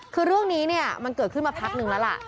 คือเรื่องนี้เนี่ยมันเกิดขึ้นมาพักนึงแล้วล่ะ